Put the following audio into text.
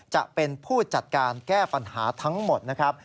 จะเป็นผู้จัดการแก้ปัญหาทั้งหมดนะครับ